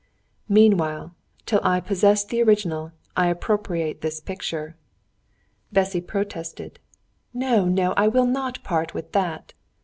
"Meanwhile, till I possess the original, I appropriate this picture." Bessy protested. "No, no, I will not part with that."